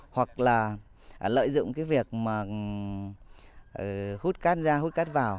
hoặc là lợi dụng cái việc mà hút cát ra hút cát vào